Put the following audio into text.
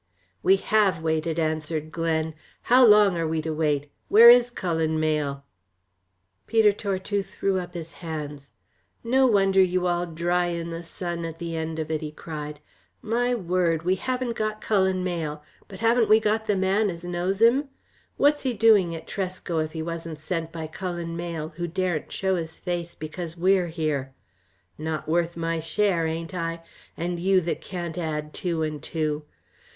"We have waited," answered Glen. "How long are we to wait? Where is Cullen Mayle?" Peter Tortue threw up his hands. "No wonder you all dry in the sun at the end of it," he cried, "my word! We haven't got Cullen Mayle, but haven't we got the man as knows him? What's he doing at Tresco if he wasn't sent by Cullen Mayle who daren't show his face because we're here? Not worth my share, ain't I? and you that can't add two and two!